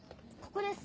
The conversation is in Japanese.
ここです。